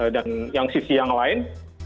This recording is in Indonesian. dan yang sisi yang lain